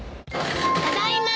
ただいま！